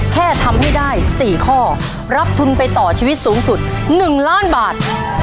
แค่ทำให้ได้๔ข้อรับทุนไปต่อชีวิตสูงสุด๑ล้านบาท